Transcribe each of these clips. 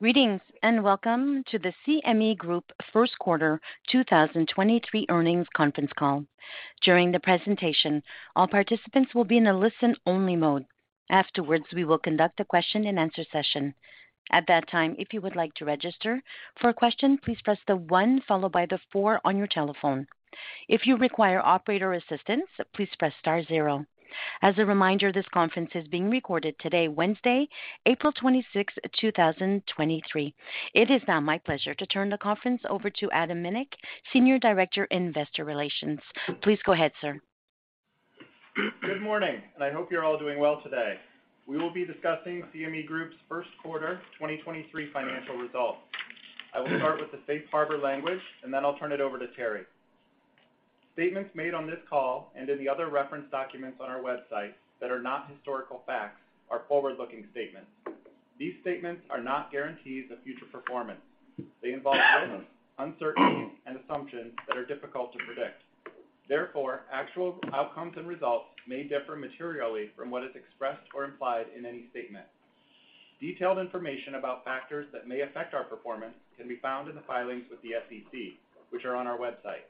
Greetings, welcome to the CME Group First Quarter 2023 Earnings Conference Call. During the presentation, all participants will be in a listen-only mode. Afterwards, we will conduct a question-and-answer session. At that time, if you would like to register for a question, please press the 1 followed by the 4 on your telephone. If you require operator assistance, please press star 0. As a reminder, this conference is being recorded today, Wednesday, April 26th, 2023. It is now my pleasure to turn the conference over to Adam Minick, Senior Director, Investor Relations. Please go ahead, sir. Good morning. I hope you're all doing well today. We will be discussing CME Group's first quarter 2023 financial results. I will start with the safe harbor language. Then I'll turn it over to Terry. Statements made on this call in the other reference documents on our website that are not historical facts are forward-looking statements. These statements are not guarantees of future performance. They involve risks, uncertainties, and assumptions that are difficult to predict. Actual outcomes and results may differ materially from what is expressed or implied in any statement. Detailed information about factors that may affect our performance can be found in the filings with the SEC, which are on our website.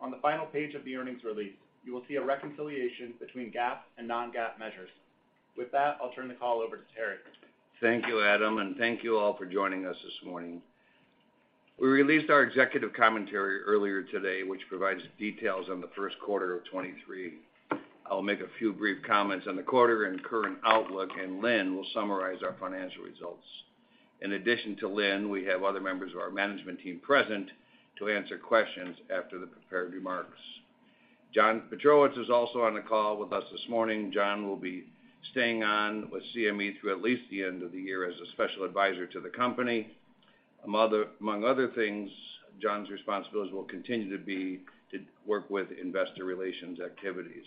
On the final page of the earnings release, you will see a reconciliation between GAAP and non-GAAP measures. With that, I'll turn the call over to Terry. Thank you, Adam. Thank you all for joining us this morning. We released our executive commentary earlier today, which provides details on the first quarter of 23. I'll make a few brief comments on the quarter and current outlook, and Lynne will summarize our financial results. In addition to Lynne, we have other members of our management team present to answer questions after the prepared remarks. John Pietrowicz is also on the call with us this morning. John will be staying on with CME through at least the end of the year as a special advisor to the company. Among other things, John's responsibilities will continue to be to work with investor relations activities.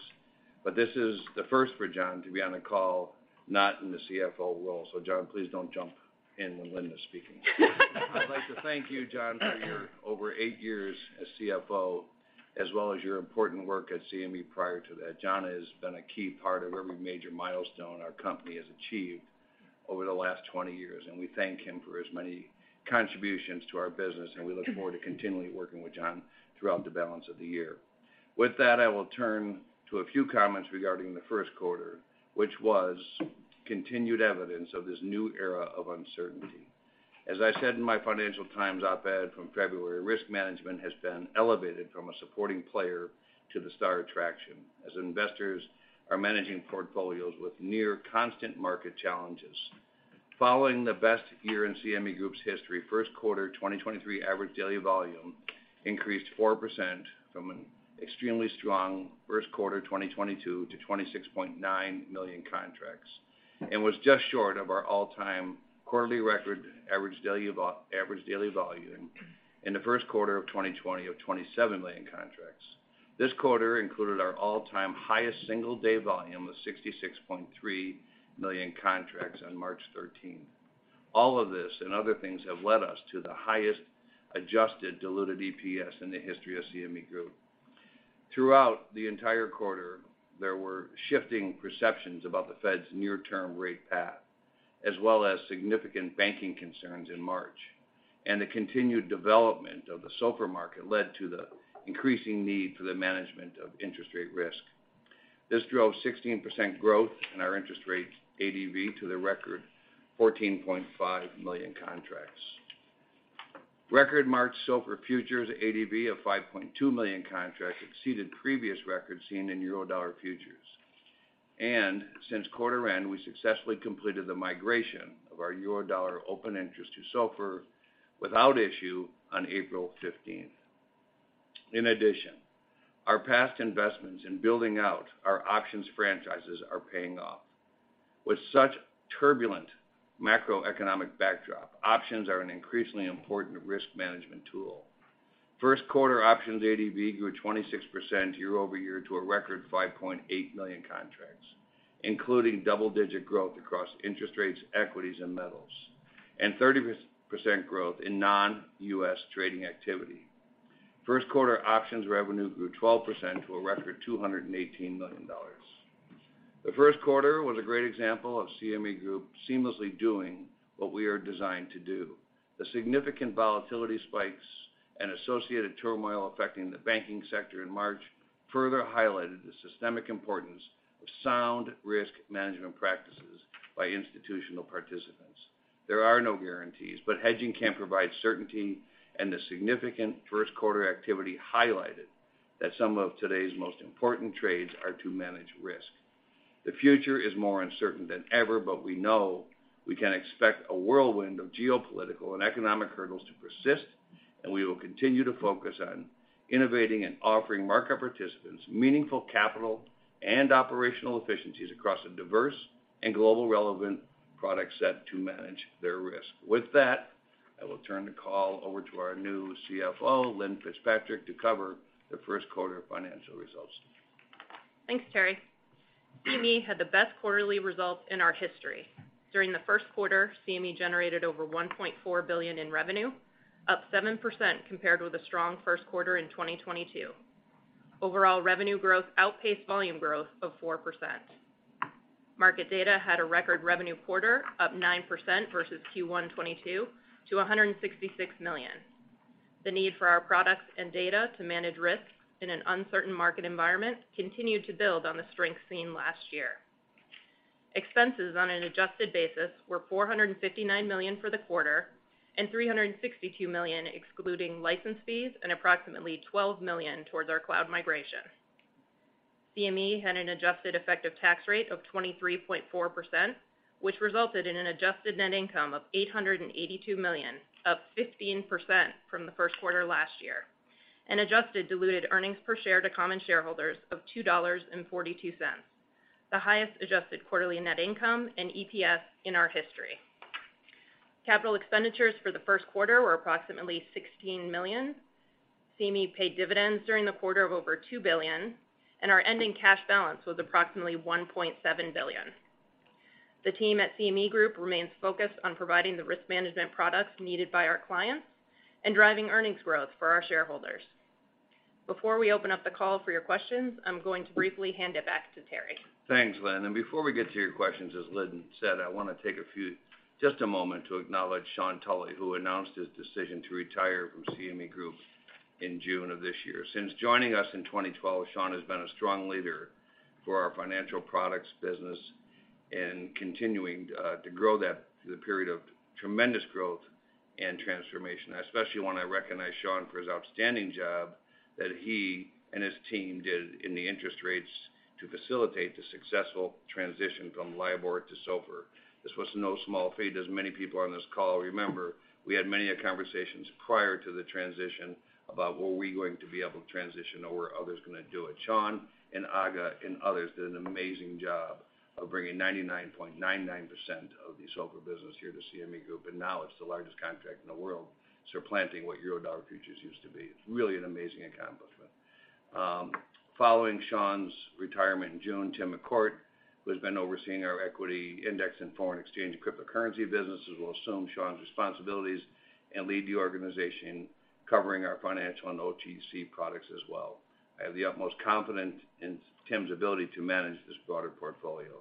This is the first for John to be on a call not in the CFO role. John, please don't jump in when Lynne is speaking. I'd like to thank you, John, for your over 8 years as CFO, as well as your important work at CME prior to that. John has been a key part of every major milestone our company has achieved over the last 20 years. We thank him for his many contributions to our business. We look forward to continually working with John throughout the balance of the year. With that, I will turn to a few comments regarding the first quarter, which was continued evidence of this new era of uncertainty. As I said in my Financial Times op-ed from February, risk management has been elevated from a supporting player to the star attraction as investors are managing portfolios with near constant market challenges. Following the best year in CME Group's history, first quarter 2023 average daily volume increased 4% from an extremely strong first quarter 2022 to 26.9 million contracts and was just short of our all-time quarterly record average daily volume in the first quarter of 2020 of 27 million contracts. This quarter included our all-time highest single-day volume of 66.3 million contracts on March 13th. All of this and other things have led us to the highest adjusted diluted EPS in the history of CME Group. Throughout the entire quarter, there were shifting perceptions about the Fed's near-term rate path, as well as significant banking concerns in March, and the continued development of the SOFR market led to the increasing need for the management of interest rate risk. This drove 16% growth in our interest rate ADV to the record 14.5 million contracts. Record March SOFR futures ADV of 5.2 million contracts exceeded previous records seen in Eurodollar futures. Since quarter end, we successfully completed the migration of our Eurodollar open interest to SOFR without issue on April 15th. In addition, our past investments in building out our options franchises are paying off. With such turbulent macroeconomic backdrop, options are an increasingly important risk management tool. First quarter options ADV grew 26% year-over-year to a record 5.8 million contracts, including double-digit growth across interest rates, equities, and metals, and 30% growth in non-U.S. trading activity. First quarter options revenue grew 12% to a record $218 million. The first quarter was a great example of CME Group seamlessly doing what we are designed to do. The significant volatility spikes and associated turmoil affecting the banking sector in March further highlighted the systemic importance of sound risk management practices by institutional participants. There are no guarantees, but hedging can provide certainty, and the significant first quarter activity highlighted that some of today's most important trades are to manage risk. The future is more uncertain than ever, but we know we can expect a whirlwind of geopolitical and economic hurdles to persist, and we will continue to focus on innovating and offering market participants meaningful capital and operational efficiencies across a diverse and global relevant product set to manage their risk. With that, I will turn the call over to our new CFO, Lynne Fitzpatrick, to cover the first quarter financial results. Thanks, Terry. CME had the best quarterly results in our history. During the first quarter, CME generated over $1.4 billion in revenue, up 7% compared with a strong first quarter in 2022. Overall revenue growth outpaced volume growth of 4%. Market data had a record revenue quarter up 9% versus Q1 2022 to $166 million. The need for our products and data to manage risks in an uncertain market environment continued to build on the strength seen last year. Expenses on an adjusted basis were $459 million for the quarter and $362 million excluding license fees and approximately $12 million towards our cloud migration. CME had an adjusted effective tax rate of 23.4%, which resulted in an adjusted net income of $882 million, up 15% from the first quarter last year. An adjusted diluted earnings per share to common shareholders of $2.42, the highest adjusted quarterly net income and EPS in our history. Capital expenditures for the first quarter were approximately $16 million. CME paid dividends during the quarter of over $2 billion, and our ending cash balance was approximately $1.7 billion. The team at CME Group remains focused on providing the risk management products needed by our clients and driving earnings growth for our shareholders. Before we open up the call for your questions, I'm going to briefly hand it back to Terry. Thanks, Lynne. Before we get to your questions, as Lynne said, I wanna take just a moment to acknowledge Sean Tully, who announced his decision to retire from CME Group in June of this year. Since joining us in 2012, Sean has been a strong leader for our financial products business and continuing to grow that through the period of tremendous growth and transformation. Especially when I recognize Sean for his outstanding job that he and his team did in the interest rates to facilitate the successful transition from LIBOR to SOFR. This was no small feat, as many people on this call remember. We had many a conversations prior to the transition about were we going to be able to transition or were others gonna do it. Sean and Agha and others did an amazing job of bringing 99.99% of the SOFR business here to CME Group. Now it's the largest contract in the world, supplanting what Eurodollar futures used to be. It's really an amazing accomplishment. Following Sean's retirement in June, Tim McCourt, who has been overseeing our equity index and foreign exchange cryptocurrency businesses, will assume Sean's responsibilities and lead the organization covering our financial and OTC products as well. I have the utmost confidence in Tim's ability to manage this broader portfolio.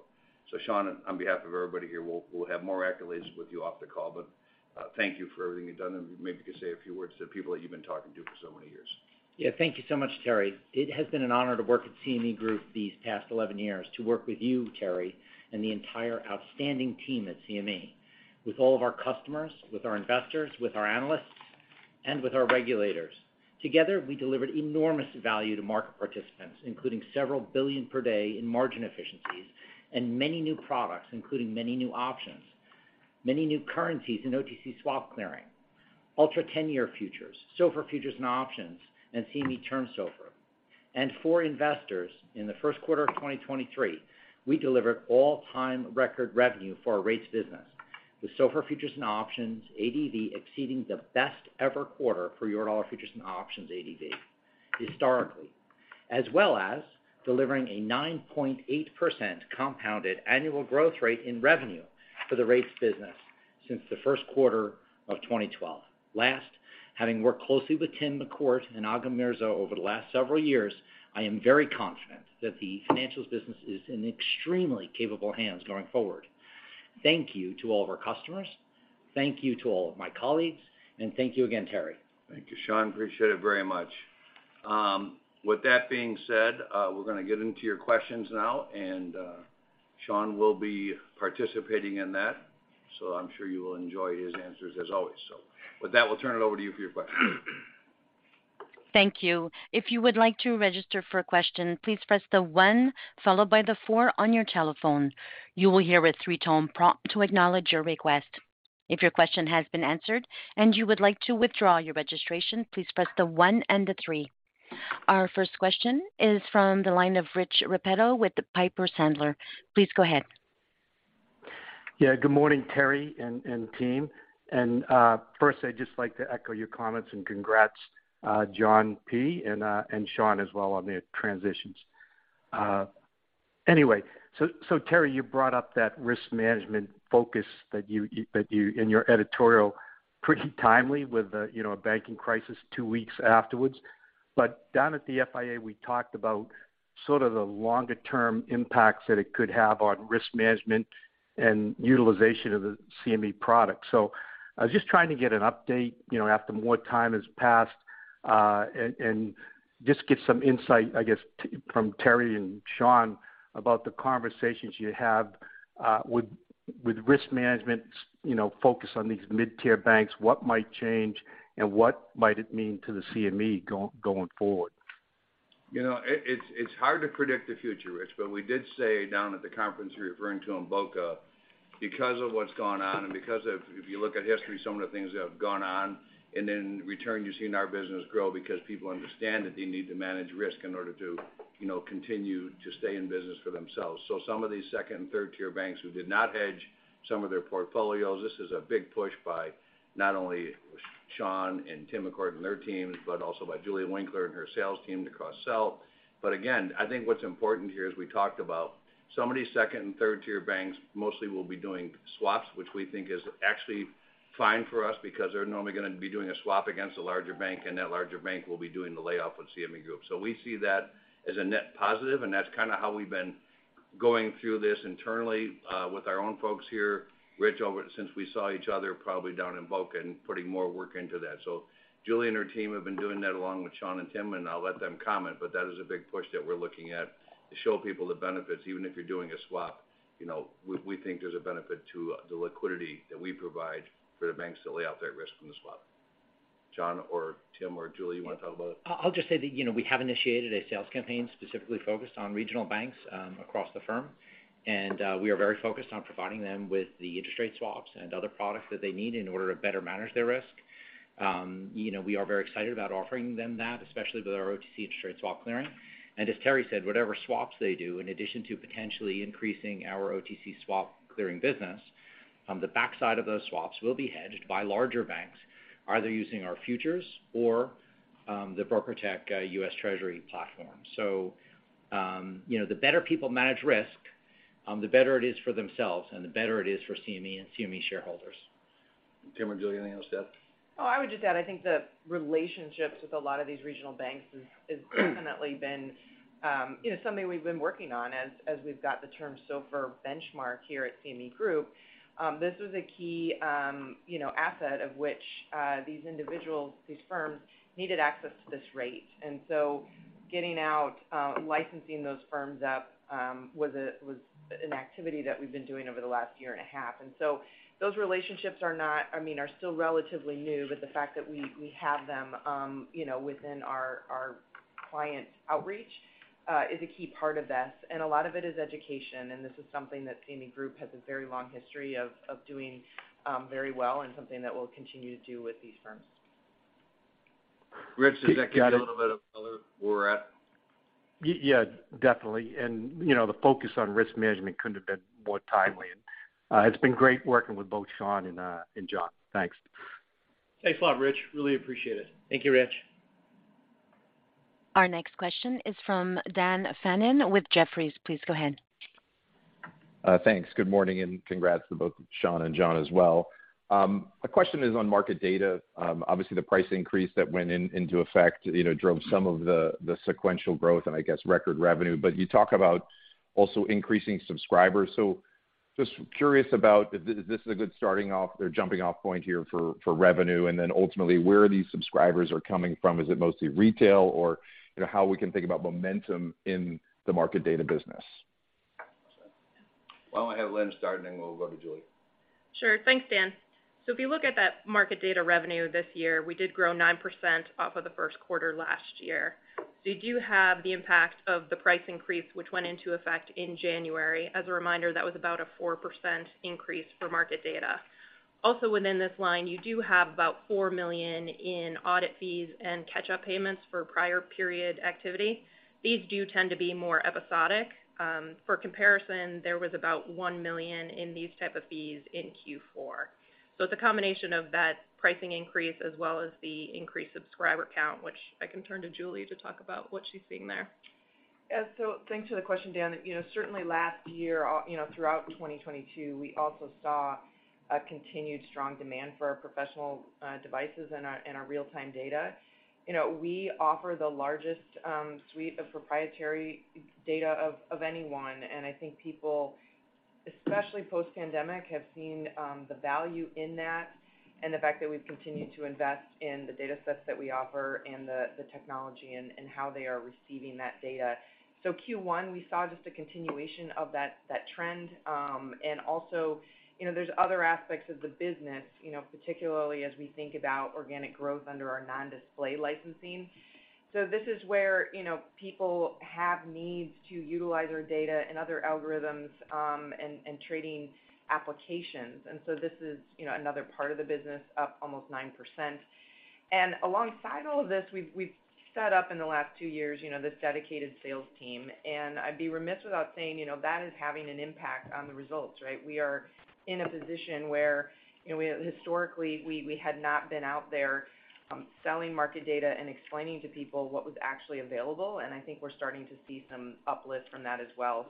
Sean, on behalf of everybody here, we'll have more accolades with you off the call, but thank you for everything you've done, and maybe you could say a few words to the people that you've been talking to for so many years. Yeah. Thank you so much, Terry. It has been an honor to work at CME Group these past 11 years, to work with you, Terry, and the entire outstanding team at CME. With all of our customers, with our investors, with our analysts, and with our regulators. Together, we delivered enormous value to market participants, including several billion per day in margin efficiencies and many new products, including many new options, many new currencies in OTC swap clearing, ultra ten-year futures, SOFR futures and options, and CME Term SOFR. For investors, in the first quarter of 2023, we delivered all-time record revenue for our rates business, with SOFR futures and options ADV exceeding the best ever quarter for Eurodollar futures and options ADV historically. As well as delivering a 9.8% compounded annual growth rate in revenue for the rates business since the first quarter of 2012. Last, having worked closely with Tim McCourt and Agha Mirza over the last several years, I am very confident that the financials business is in extremely capable hands going forward. Thank you to all of our customers, thank you to all of my colleagues, and thank you again, Terry. Thank you, Sean. Appreciate it very much. With that being said, we're gonna get into your questions now, and Sean will be participating in that, so I'm sure you will enjoy his answers as always. With that, we'll turn it over to you for your questions. Thank you. If you would like to register for a question, please press the one followed by the four on your telephone. You will hear a three-tone prompt to acknowledge your request. If your question has been answered and you would like to withdraw your registration, please press the one and the three. Our first question is from the line of Rich Repetto with Piper Sandler. Please go ahead. Yeah. Good morning, Terry and team. First, I'd just like to echo your comments and congrats, John P. and Sean as well on their transitions. Anyway, Terry, you brought up that risk management focus that you, that you, in your editorial pretty timely with, you know, a banking crisis 2 weeks afterwards. Down at the FIA, we talked about sort of the longer-term impacts that it could have on risk management and utilization of the CME product. I was just trying to get an update, you know, after more time has passed, and just get some insight, I guess, from Terry and Sean about the conversations you have, with risk management, you know, focus on these mid-tier banks, what might change, and what might it mean to the CME going forward? You know, it's hard to predict the future, Rich, but we did say down at the conference you're referring to in Boca, because of what's gone on and because of, if you look at history, some of the things that have gone on, and then return, you've seen our business grow because people understand that they need to manage risk in order to, you know, continue to stay in business for themselves. Some of these second and third-tier banks who did not hedge some of their portfolios, this is a big push by not only Sean and Tim McCourt and their teams, but also by Julie Winkler and her sales team to cross-sell. Again, I think what's important here, as we talked about, some of these second and third-tier banks mostly will be doing swaps, which we think is actually fine for us because they're normally gonna be doing a swap against a larger bank, and that larger bank will be doing the layoff with CME Group. We see that as a net positive, and that's kinda how we've been going through this internally, with our own folks here, Rich, since we saw each other probably down in Boca and putting more work into that. Julie and her team have been doing that along with Sean and Tim, and I'll let them comment, but that is a big push that we're looking at to show people the benefits, even if you're doing a swap. You know, we think there's a benefit to the liquidity that we provide for the banks that lay out their risk from the swap. John or Tim or Julie, you want to talk about it? I'll just say that, you know, we have initiated a sales campaign specifically focused on regional banks across the firm. We are very focused on providing them with the interest rate swaps and other products that they need in order to better manage their risk. You know, we are very excited about offering them that, especially with our OTC interest rate swap clearing. As Terry said, whatever swaps they do, in addition to potentially increasing our OTC swap clearing business, the backside of those swaps will be hedged by larger banks, either using our futures or the BrokerTec U.S. Treasury platform. You know, the better people manage risk, the better it is for themselves and the better it is for CME and CME shareholders. Tim or Julie, anything else to add? Oh, I would just add, I think the relationships with a lot of these regional banks has definitely been, you know, something we've been working on as we've got the Term SOFR benchmark here at CME Group. This was a key, you know, asset of which these individuals, these firms needed access to this rate. Getting out, licensing those firms up, was an activity that we've been doing over the last 1.5 years. Those relationships are not, I mean, are still relatively new, but the fact that we have them, you know, within our client outreach, is a key part of this. A lot of it is education, and this is something that CME Group has a very long history of doing, very well and something that we'll continue to do with these firms. Rich, does that give you a little bit of color where we're at? Yeah, definitely. You know, the focus on risk management couldn't have been more timely. It's been great working with both Sean and John. Thanks. Thanks a lot, Rich. Really appreciate it. Thank you, Rich. Our next question is from Dan Fannon with Jefferies. Please go ahead. Thanks. Good morning. Congrats to both Sean and John as well. The question is on market data. Obviously, the price increase that went into effect, you know, drove some of the sequential growth and I guess record revenue. You talk about also increasing subscribers. Just curious about if this is a good starting off or jumping off point here for revenue, and then ultimately, where these subscribers are coming from. Is it mostly retail? You know, how we can think about momentum in the market data business? Why don't we have Lynne start and then we'll go to Julie. Sure. Thanks, Dan. If you look at that market data revenue this year, we did grow 9% off of the first quarter last year. You do have the impact of the price increase, which went into effect in January. As a reminder, that was about a 4% increase for market data. Also within this line, you do have about $4 million in audit fees and catch-up payments for prior period activity. These do tend to be more episodic. For comparison, there was about $1 million in these type of fees in Q4. It's a combination of that pricing increase as well as the increased subscriber count, which I can turn to Julie to talk about what she's seeing there. Thanks for the question, Dan. You know, certainly last year, you know, throughout 2022, we also saw a continued strong demand for our professional devices and our real-time data. You know, we offer the largest suite of proprietary data of anyone. I think people, especially post-pandemic, have seen the value in that and the fact that we've continued to invest in the datasets that we offer and the technology and how they are receiving that data. Q1, we saw just a continuation of that trend. Also, you know, there's other aspects of the business, you know, particularly as we think about organic growth under our non-display licensing. This is where, you know, people have needs to utilize our data and other algorithms and trading applications. This is, you know, another part of the business up almost 9%. Alongside all of this, we've set up in the last 2 years, you know, this dedicated sales team. I'd be remiss without saying, you know, that is having an impact on the results, right. We are in a position where, you know, we historically, we had not been out there, selling market data and explaining to people what was actually available, and I think we're starting to see some uplift from that as well.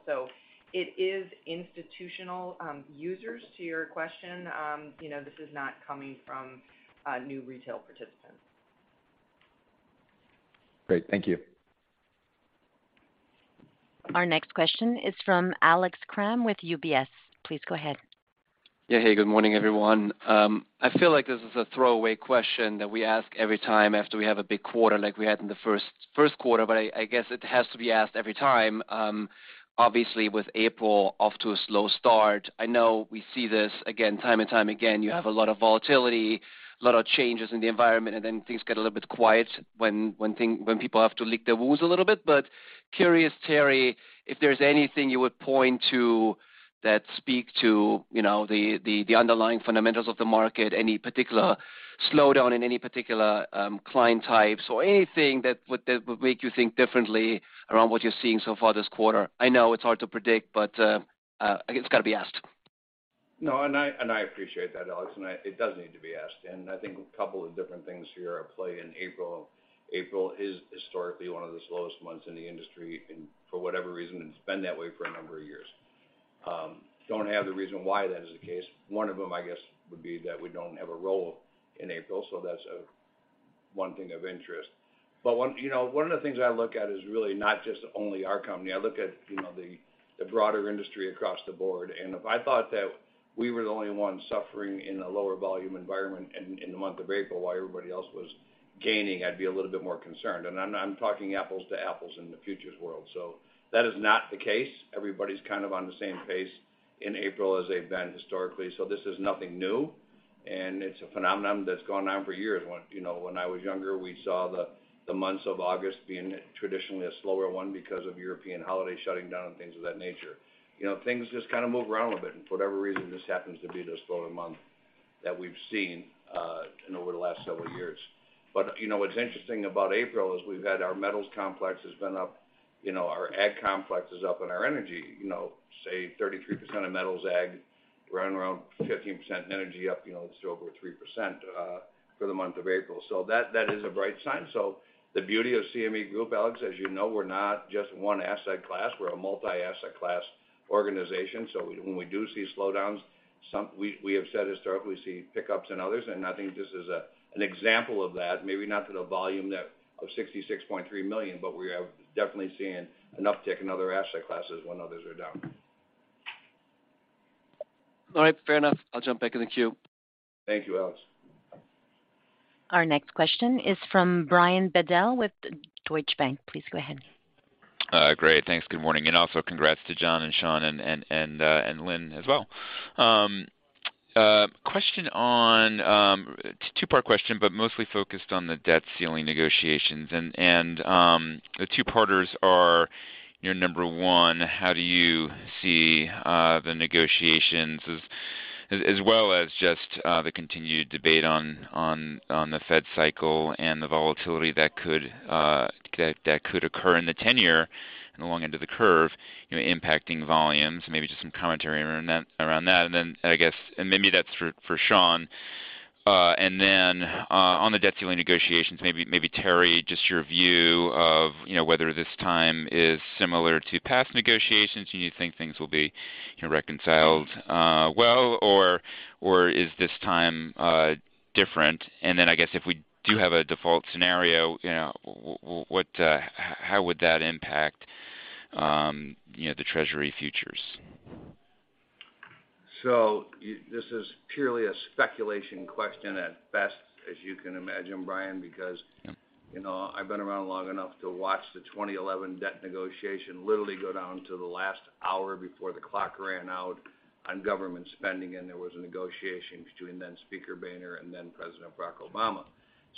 It is institutional users to your question. You know, this is not coming from new retail participants. Great. Thank you. Our next question is from Alex Kramm with UBS. Please go ahead. Yeah. Hey, good morning, everyone. I feel like this is a throwaway question that we ask every time after we have a big quarter like we had in the first quarter, but I guess it has to be asked every time. Obviously with April off to a slow start, I know we see this again, time and time again, you have a lot of volatility, a lot of changes in the environment, and then things get a little bit quiet when people have to lick their wounds a little bit. Curious, Terry, if there's anything you would point to that speak to, you know, the underlying fundamentals of the market, any particular slowdown in any particular client types or anything that would make you think differently around what you're seeing so far this quarter. I know it's hard to predict, but it's got to be asked. No, I appreciate that, Alex, and it does need to be asked. I think a couple of different things here are play in April. April is historically one of the slowest months in the industry and for whatever reason, it's been that way for a number of years. Don't have the reason why that is the case. One of them, I guess, would be that we don't have a roll in April, so that's one thing of interest. One, you know, one of the things I look at is really not just only our company. I look at, you know, the broader industry across the board. If I thought that we were the only ones suffering in a lower volume environment in the month of April while everybody else was gaining, I'd be a little bit more concerned. I'm talking apples to apples in the futures world. That is not the case. Everybody's kind of on the same pace in April as they've been historically. This is nothing new, and it's a phenomenon that's gone on for years. When, you know, when I was younger, we saw the months of August being traditionally a slower one because of European holidays shutting down and things of that nature. You know, things just kind of move around a bit, and for whatever reason, this happens to be the slower month that we've seen over the last several years. You know, what's interesting about April is we've had our metals complex has been up, you know, our ag complex is up, and our energy, you know, say 33% of metals ag, right around 15%, and energy up, you know, just over 3% for the month of April. That is a bright sign. The beauty of CME Group, Alex, as you know, we're not just one asset class. We're a multi-asset class organization. When we do see slowdowns, we have said historically, we see pickups in others, and I think this is an example of that. Maybe not to the volume that of 66.3 million, but we are definitely seeing an uptick in other asset classes when others are down. All right. Fair enough. I'll jump back in the queue. Thank you, Alex. Our next question is from Brian Bedell with Deutsche Bank. Please go ahead. Great. Thanks. Good morning, also congrats to John and Sean and Lynne as well. Question on two-part question, but mostly focused on the debt ceiling negotiations. The two-parters are, you know, number one, how do you see the negotiations as well as just the continued debate on the Fed cycle and the volatility that could occur in the tenure and along into the curve, you know, impacting volumes? Maybe just some commentary around that. I guess and maybe that's for Sean. Then on the debt ceiling negotiations, maybe Terry, just your view of, you know, whether this time is similar to past negotiations, and you think things will be, you know, reconciled well, or is this time different? Then I guess if we do have a default scenario, you know, what, how would that impact, you know, the Treasury futures? This is purely a speculation question at best, as you can imagine, Brian. Yep. you know, I've been around long enough to watch the 2011 debt negotiation literally go down to the last hour before the clock ran out on government spending, and there was a negotiation between then Speaker Boehner and then President Barack Obama.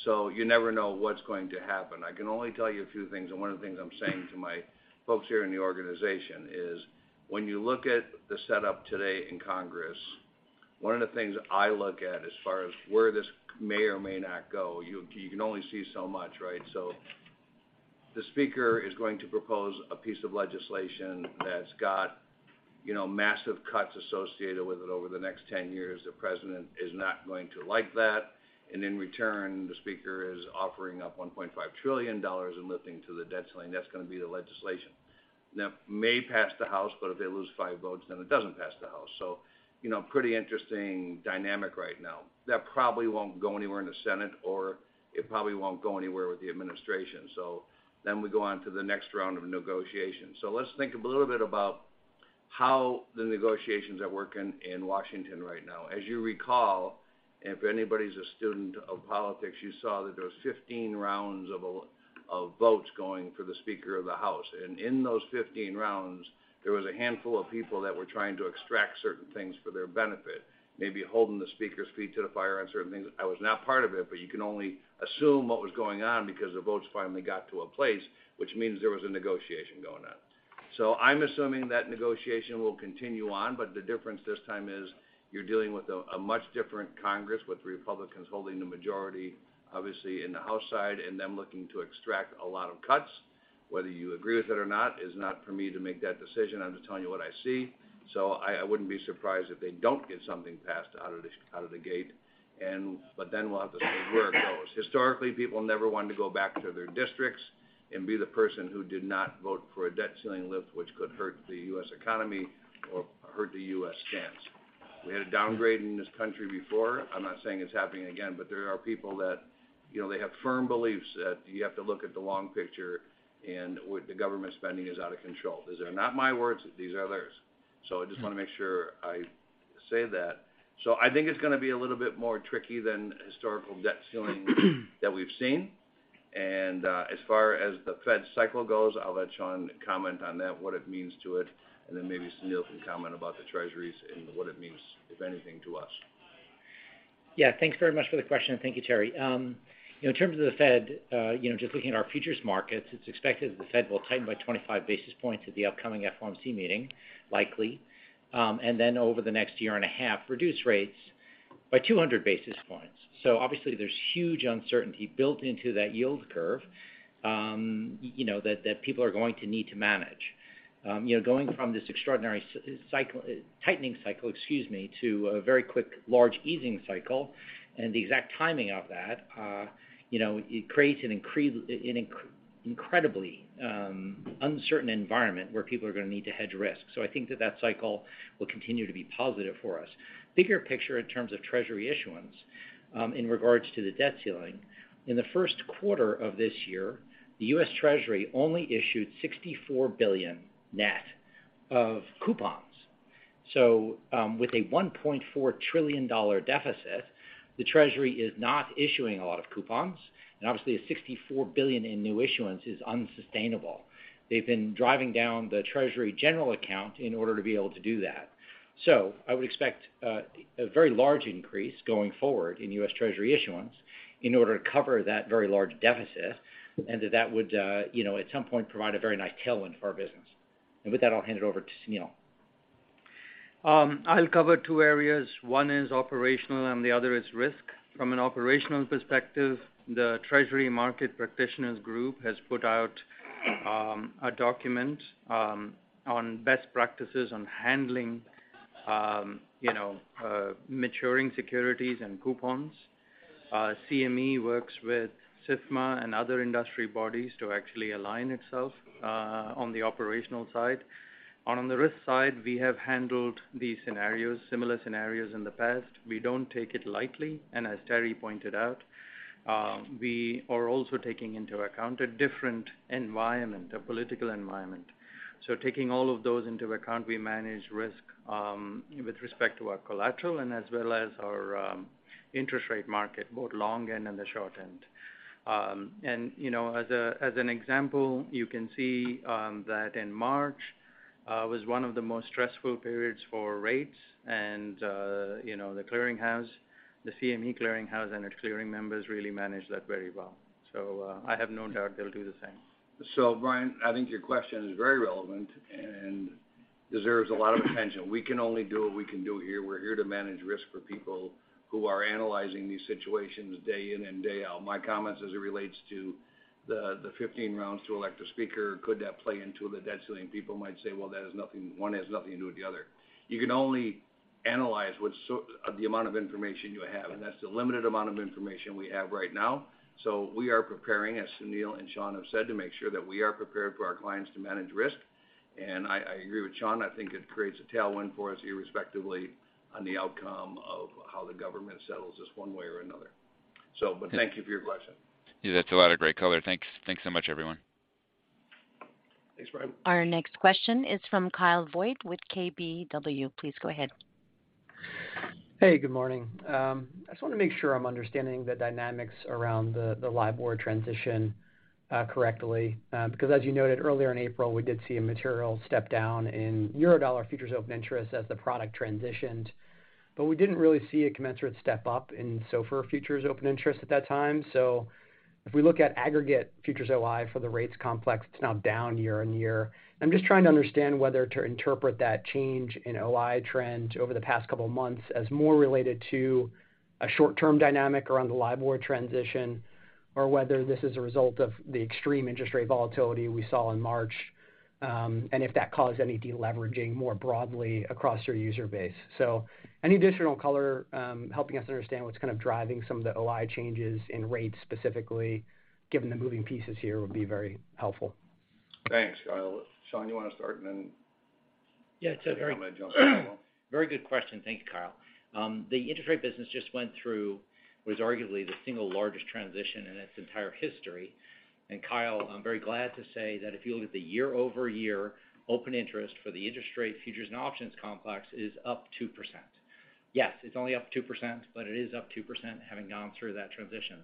You never know what's going to happen. I can only tell you a few things, and one of the things I'm saying to my folks here in the organization is, when you look at the setup today in Congress, one of the things I look at as far as where this may or may not go, you can only see so much, right? The Speaker is going to propose a piece of legislation that's got, you know, massive cuts associated with it over the next 10 years. The President is not going to like that. In return, the Speaker is offering up $1.5 trillion in lifting to the debt ceiling. That's gonna be the legislation. May pass the House, but if they lose five votes, then it doesn't pass the House. You know, pretty interesting dynamic right now. That probably won't go anywhere in the Senate, or it probably won't go anywhere with the administration. Then we go on to the next round of negotiations. Let's think a little bit about how the negotiations are working in Washington right now. As you recall, if anybody's a student of politics, you saw that there was 15 rounds of votes going for the Speaker of the House. In those 15 rounds, there was a handful of people that were trying to extract certain things for their benefit, maybe holding the Speaker's feet to the fire on certain things. I was not part of it, you can only assume what was going on because the votes finally got to a place, which means there was a negotiation going on. I'm assuming that negotiation will continue on, the difference this time is you're dealing with a much different Congress, with Republicans holding the majority, obviously, in the House side, and them looking to extract a lot of cuts. Whether you agree with it or not is not for me to make that decision. I'm just telling you what I see. I wouldn't be surprised if they don't get something passed out of the, out of the gate. We'll have to see where it goes. Historically, people never wanted to go back to their districts and be the person who did not vote for a debt ceiling lift, which could hurt the U.S. economy or hurt the U.S. chance. We had a downgrade in this country before. I'm not saying it's happening again, but there are people that, you know, they have firm beliefs that you have to look at the long picture and with the government spending is out of control. These are not my words. These are others. I just wanna make sure I say that. I think it's gonna be a little bit more tricky than historical debt ceiling that we've seen. As far as the Fed cycle goes, I'll let Sean comment on that, what it means to it, and then maybe Sunil can comment about the Treasuries and what it means, if anything, to us. Yeah. Thanks very much for the question. Thank you, Terry. You know, in terms of the Fed, you know, just looking at our futures markets, it's expected that the Fed will tighten by 25 basis points at the upcoming FOMC meeting, likely, and then over the next year and a half, reduce rates by 200 basis points. Obviously, there's huge uncertainty built into that yield curve, you know, that people are going to need to manage. You know, going from this extraordinary cycle, tightening cycle, excuse me, to a very quick, large easing cycle and the exact timing of that, you know, it creates an incredibly uncertain environment where people are gonna need to hedge risk. I think that cycle will continue to be positive for us. Bigger picture in terms of Treasury issuance, in regards to the debt ceiling, in the first quarter of this year, the U.S. Treasury only issued $64 billion net of coupons. With a $1.4 trillion deficit, the Treasury is not issuing a lot of coupons, and obviously a $64 billion in new issuance is unsustainable. They've been driving down the Treasury General Account in order to be able to do that. I would expect a very large increase going forward in U.S. Treasury issuance in order to cover that very large deficit, and that would, you know, at some point provide a very nice tailwind for our business. With that, I'll hand it over to Sunil. I'll cover two areas. One is operational, and the other is risk. From an operational perspective, the Treasury Market Practitioners Group has put out a document on best practices on handling, you know, maturing securities and coupons. CME works with SIFMA and other industry bodies to actually align itself on the operational side. On the risk side, we have handled these scenarios, similar scenarios in the past. We don't take it lightly, and as Terry pointed out, we are also taking into account a different environment, a political environment. Taking all of those into account, we manage risk with respect to our collateral and as well as our interest rate market, both long end and the short end. You know, as an example, you can see, that in March, was one of the most stressful periods for rates and, you know, the clearinghouse, the CME clearinghouse and its clearing members really managed that very well. I have no doubt they'll do the same. Brian, I think your question is very relevant and deserves a lot of attention. We can only do what we can do here. We're here to manage risk for people who are analyzing these situations day in and day out. My comments as it relates to the 15 rounds to elect a speaker, could that play into the debt ceiling? People might say, "Well, that has nothing, one has nothing to do with the other." You can only analyze what the amount of information you have, and that's the limited amount of information we have right now. We are preparing, as Sunil and Sean have said, to make sure that we are prepared for our clients to manage risk. I agree with Sean, I think it creates a tailwind for us irrespectively on the outcome of how the government settles this one way or another. But thank you for your question. Yeah, that's a lot of great color. Thanks, thanks so much, everyone. Thanks, Brian. Our next question is from Kyle Voigt with KBW. Please go ahead. Hey, good morning. I just wanna make sure I'm understanding the dynamics around the LIBOR transition correctly, because as you noted earlier in April, we did see a material step-down in Eurodollar futures open interest as the product transitioned. We didn't really see a commensurate step-up in SOFR futures open interest at that time. If we look at aggregate futures OI for the rates complex, it's now down year-over-year. I'm just trying to understand whether to interpret that change in OI trend over the past couple of months as more related to a short-term dynamic around the LIBOR transition or whether this is a result of the extreme interest rate volatility we saw in March, and if that caused any de-leveraging more broadly across your user base. Any additional color, helping us understand what's kind of driving some of the OI changes in rates specifically, given the moving pieces here, would be very helpful. Thanks, Kyle. Sean, you wanna start. Yeah, it's a Very good question. Thank you, Kyle. The interest rate business just went through what is arguably the single largest transition in its entire history. Kyle, I'm very glad to say that if you look at the year-over-year open interest for the interest rate futures and options complex is up 2%. Yes, it's only up 2%, but it is up 2% having gone through that transition.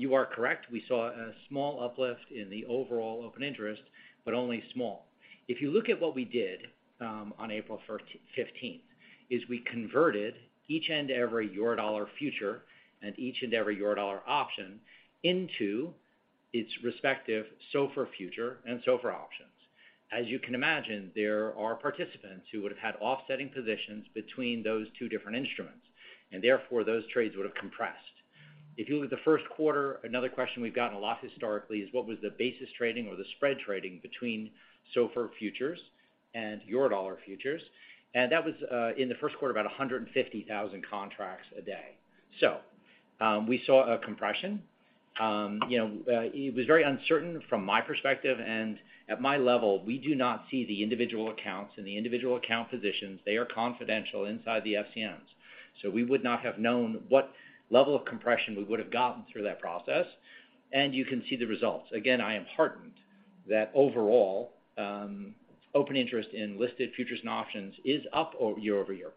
You are correct. We saw a small uplift in the overall open interest, only small. If you look at what we did, on April 15th, is we converted each and every Eurodollar future and each and every Eurodollar option into its respective SOFR future and SOFR options. As you can imagine, there are participants who would have had offsetting positions between those two different instruments, therefore those trades would have compressed. If you look at the first quarter, another question we've gotten a lot historically is what was the basis trading or the spread trading between SOFR futures and Eurodollar futures? That was in the first quarter, about 150,000 contracts a day. We saw a compression. You know, it was very uncertain from my perspective, and at my level, we do not see the individual accounts and the individual account positions. They are confidential inside the FCMs. We would not have known what level of compression we would have gotten through that process, and you can see the results. Again, I am heartened that overall, open interest in listed futures and options is up year-over-year.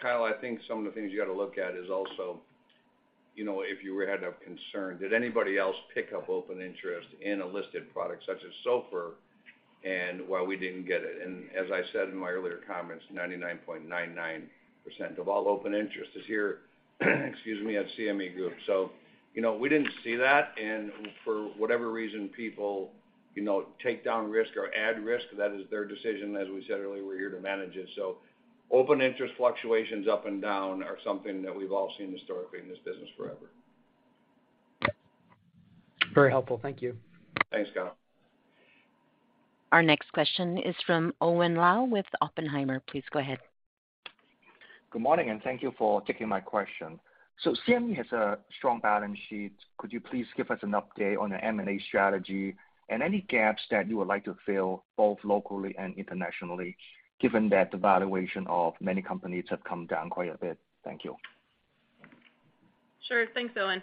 Kyle, I think some of the things you got to look at is also, you know, if you had a concern, did anybody else pick up open interest in a listed product such as SOFR and while we didn't get it? As I said in my earlier comments, 99.99% of all open interest is here, excuse me, at CME Group. You know, we didn't see that. For whatever reason, people, you know, take down risk or add risk, that is their decision. As we said earlier, we're here to manage it. Open interest fluctuations up and down are something that we've all seen historically in this business forever. Very helpful. Thank you. Thanks, Kyle. Our next question is from Owen Lau with Oppenheimer. Please go ahead. Good morning, and thank you for taking my question. CME has a strong balance sheet. Could you please give us an update on your M&A strategy and any gaps that you would like to fill both locally and internationally, given that the valuation of many companies have come down quite a bit? Thank you. Sure. Thanks, Owen.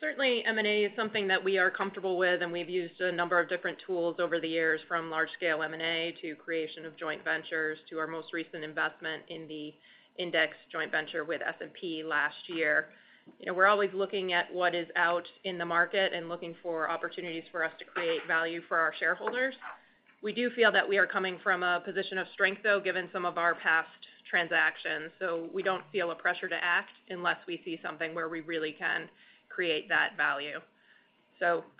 Certainly M&A is something that we are comfortable with, and we've used a number of different tools over the years from large scale M&A to creation of joint ventures to our most recent investment in the index joint venture with S&P last year. You know, we're always looking at what is out in the market and looking for opportunities for us to create value for our shareholders. We do feel that we are coming from a position of strength, though, given some of our past transactions. We don't feel a pressure to act unless we see something where we really can create that value.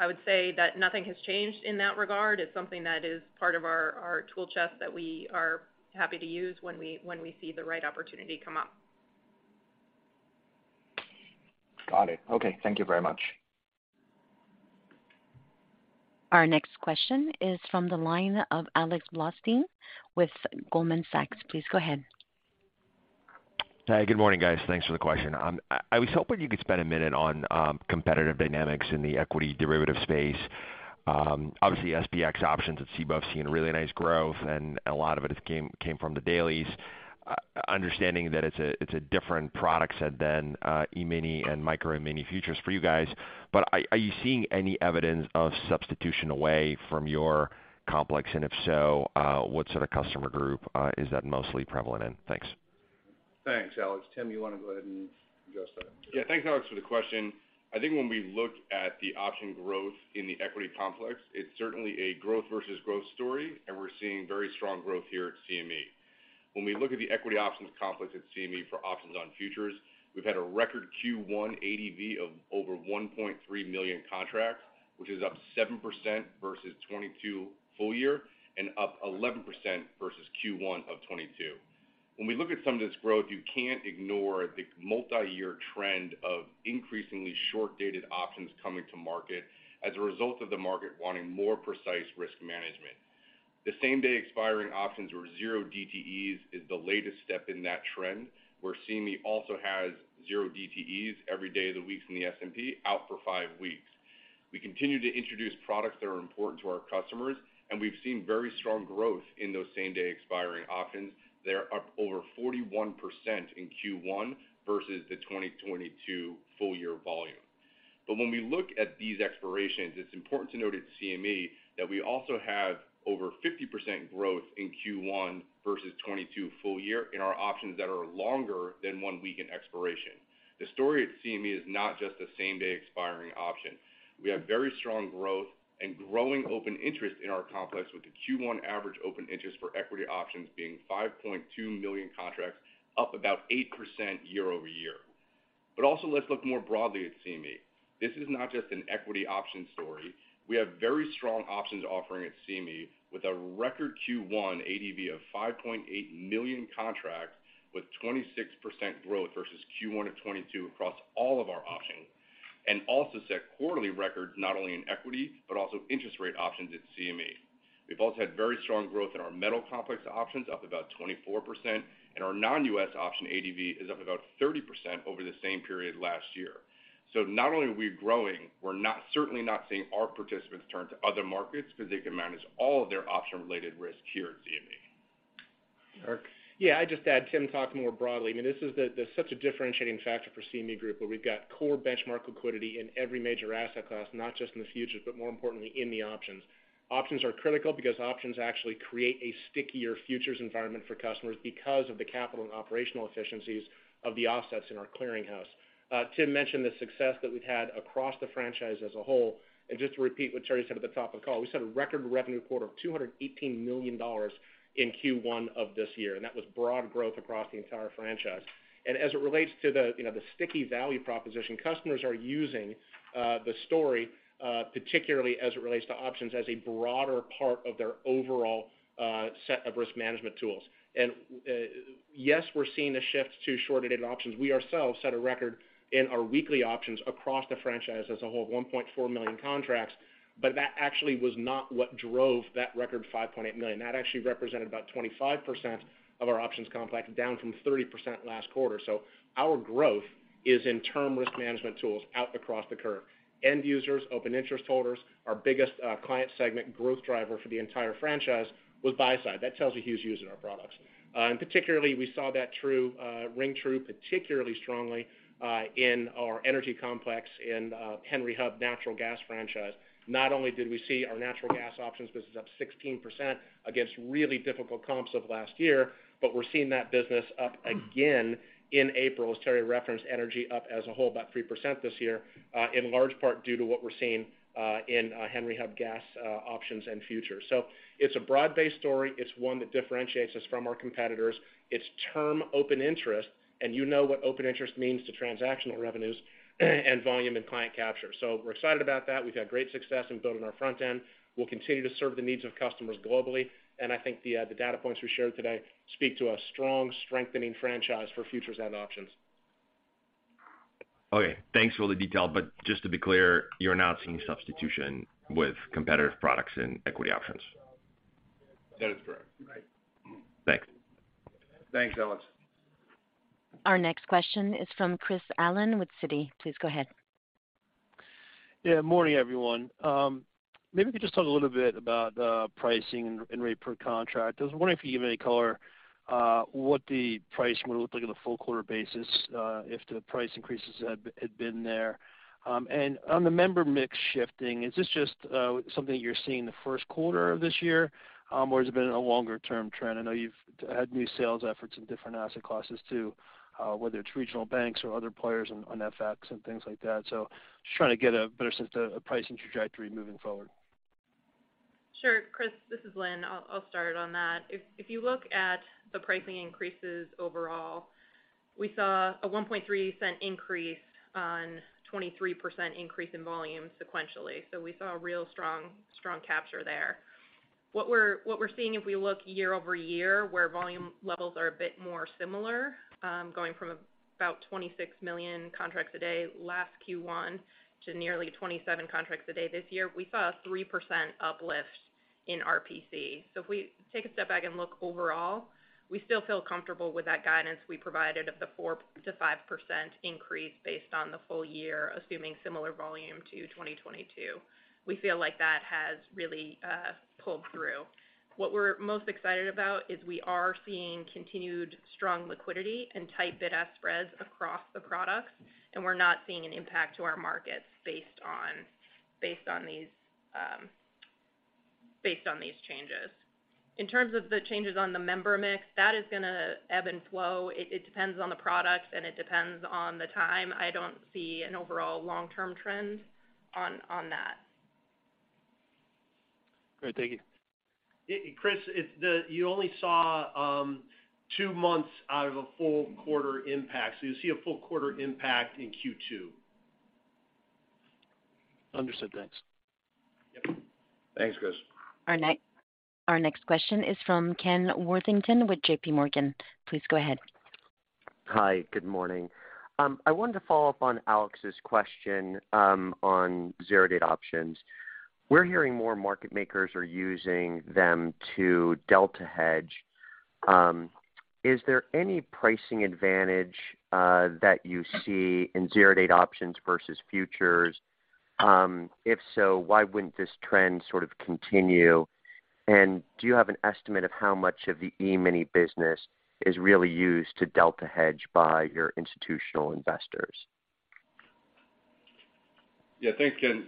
I would say that nothing has changed in that regard. It's something that is part of our tool chest that we are happy to use when we see the right opportunity come up. Got it. Okay. Thank you very much. Our next question is from the line of Alex Blostein with Goldman Sachs. Please go ahead. Hi. Good morning, guys. Thanks for the question. I was hoping you could spend a minute on competitive dynamics in the equity derivative space. Obviously SPX options at Cboe have seen a really nice growth and a lot of it came from the dailies. Understanding that it's a different product set than E-mini and Micro E-mini futures for you guys. Are you seeing any evidence of substitution away from your complex? If so, what sort of customer group is that mostly prevalent in? Thanks. Thanks, Alex. Tim, you wanna go ahead and address that? Yeah. Thanks, Alex, for the question. I think when we look at the option growth in the equity complex, it's certainly a growth versus growth story, and we're seeing very strong growth here at CME. When we look at the equity options complex at CME for options on futures, we've had a record Q1 ADV of over 1.3 million contracts, which is up 7% versus 2022 full year and up 11% versus Q1 of 2022. When we look at some of this growth, you can't ignore the multi-year trend of increasingly short-dated options coming to market as a result of the market wanting more precise risk management. The same day expiring options or 0DTEs is the latest step in that trend, where CME also has 0DTEs every day of the week from the S&P out for 5 weeks. We continue to introduce products that are important to our customers, and we've seen very strong growth in those same-day expiring options. They're up over 41% in Q1 versus the 2022 full year volume. When we look at these expirations, it's important to note at CME that we also have over 50% growth in Q1 versus 2022 full year in our options that are longer than 1 week in expiration. The story at CME is not just the same-day expiring option. We have very strong growth and growing open interest in our complex with the Q1 average open interest for equity options being 5.2 million contracts, up about 8% year-over-year. Also let's look more broadly at CME. This is not just an equity option story. We have very strong options offering at CME with a record Q1 ADV of 5.8 million contracts with 26% growth versus Q1 of 2022 across all of our options, and also set quarterly records not only in equity, but also interest rate options at CME. We've also had very strong growth in our metal complex options, up about 24%, and our non-U.S. option ADV is up about 30% over the same period last year. Not only are we growing, we're not certainly not seeing our participants turn to other markets because they can manage all of their option-related risk here at CME. Derek? Yeah. I'd just add, Tim, talking more broadly, I mean, this is such a differentiating factor for CME Group, where we've got core benchmark liquidity in every major asset class, not just in the futures, but more importantly, in the options. Options are critical because options actually create a stickier futures environment for customers because of the capital and operational efficiencies of the offsets in our clearinghouse. Tim mentioned the success that we've had across the franchise as a whole. Just to repeat what Terry said at the top of the call, we set a record revenue quarter of $218 million in Q1 of this year. That was broad growth across the entire franchise. As it relates to the, you know, the sticky value proposition, customers are using the story, particularly as it relates to options as a broader part of their overall set of risk management tools. Yes, we're seeing the shift to short-dated options. We ourselves set a record in our weekly options across the franchise as a whole of 1.4 million contracts, but that actually was not what drove that record 5.8 million. That actually represented about 25% of our options complex, down from 30% last quarter. Our growth is in term risk management tools out across the curve. End users, open interest holders, our biggest client segment growth driver for the entire franchise was buy side. That tells you who's using our products. Particularly, we saw that true ring true particularly strongly in our energy complex in Henry Hub natural gas franchise. Not only did we see our natural gas options business up 16% against really difficult comps of last year, but we're seeing that business up again in April, as Terry referenced energy up as a whole about 3% this year, in large part due to what we're seeing in Henry Hub gas options and futures. It's a broad-based story. It's one that differentiates us from our competitors. It's term open interest, and you know what open interest means to transactional revenues and volume and client capture. We're excited about that. We've had great success in building our front end. We'll continue to serve the needs of customers globally. I think the data points we shared today speak to a strong strengthening franchise for futures and options. Okay, thanks for all the detail. Just to be clear, you're not seeing substitution with competitive products in equity options? That is correct. Right. Thanks. Thanks, Alex. Our next question is from Chris Allen with Citi. Please go ahead. Morning, everyone. Maybe you could just talk a little bit about pricing and rate per contract. I was wondering if you give any color, what the price would look like on a full quarter basis, if the price increases had been there. On the member mix shifting, is this just something that you're seeing in the first quarter of this year, or has it been a longer-term trend? I know you've had new sales efforts in different asset classes too, whether it's regional banks or other players on FX and things like that. Just trying to get a better sense of pricing trajectory moving forward. Sure. Chris, this is Lynne. I'll start on that. If you look at the pricing increases overall, we saw a $0.013 increase on 23% increase in volume sequentially. We saw a real strong capture there. What we're seeing if we look year-over-year, where volume levels are a bit more similar, going from about 26 million contracts a day last Q1 to nearly 27 contracts a day this year, we saw a 3% uplift in RPC. If we take a step back and look overall, we still feel comfortable with that guidance we provided of the 4%-5% increase based on the full year, assuming similar volume to 2022. We feel like that has really pulled through. What we're most excited about is we are seeing continued strong liquidity and tight bid-ask spreads across the products. We're not seeing an impact to our markets based on these changes. In terms of the changes on the member mix, that is gonna ebb and flow. It depends on the product and it depends on the time. I don't see an overall long-term trend on that. Great. Thank you. Chris, it's you only saw two months out of a full quarter impact. You'll see a full quarter impact in Q2. Understood. Thanks. Yep. Thanks, Chris. Our next question is from Ken Worthington with J.P. Morgan. Please go ahead. Hi, good morning. I wanted to follow up on Alex's question, on zero-day options. We're hearing more market makers are using them to delta hedge. Is there any pricing advantage that you see in zero-day options versus futures? If so, why wouldn't this trend sort of continue? Do you have an estimate of how much of the E-mini business is really used to delta hedge by your institutional investors? Yeah. Thanks, Ken.